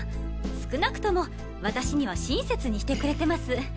少なくとも私には親切にしてくれてます。